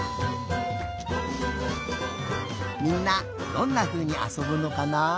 みんなどんなふうにあそぶのかな？